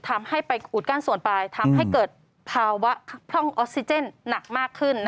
ทำให้ไปอุดกั้นส่วนปลายทำให้เกิดภาวะพร่องออกซิเจนหนักมากขึ้น